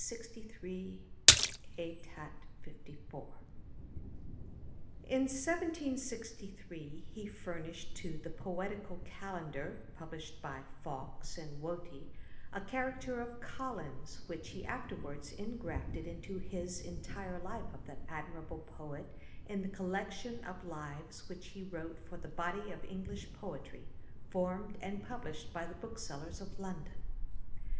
Ætat 54.] 1763: ÆTAT. 54. In 1763 he furnished to The Poetical Calendar, published by Fawkes and Woty, a character of Collins[*], which he afterwards ingrafted into his entire life of that admirable poet, in the collection of lives which he wrote for the body of English poetry, formed and published by the booksellers of London.